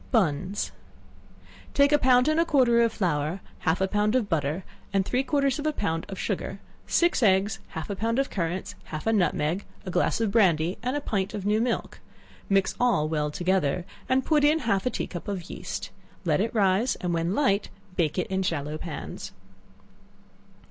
Bunns. Take a pound and a quarter of flour, half a pound of butter, and three quarters of a pound of sugar, six eggs, half a pound of currants, half a nutmeg, a glass of brandy, and a pint of new milk; mix all well together, and put in half a tea cup of yeast; let it rise, and when light, bake it in shallow pans.